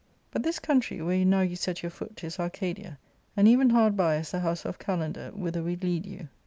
" But this country, where now you set your foot, is Arcadia ; and even hard by is the house of Kajander, whither we lead you.